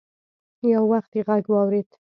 يو وخت يې غږ واورېد.